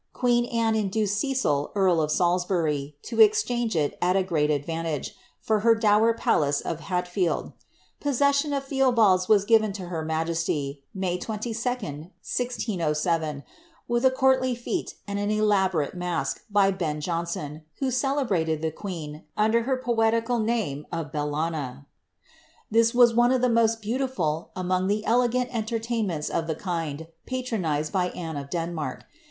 Queen Anne induced Cecil, earl of Salis bury, to exchange it, at a great advantage, for her dower palace of Hat field. Possession of Theobalds was given to her majesty. May 22, ld07, with a courtly fi^te and an elaborate masque, by Ben Jonson, who celebrated the queen, under her poetical name of Bellanna. This was one of the most beautiful among the elegant entertainments of the kind patronised by Anne of Denmark.